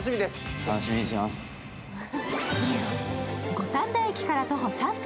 五反田駅から徒歩３分。